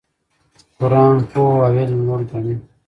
قرآن پوهه او علم لوړ ګڼي.